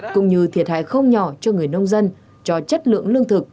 cũng như thiệt hại không nhỏ cho người nông dân cho chất lượng lương thực